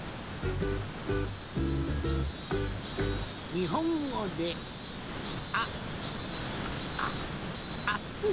にほんごであああつい。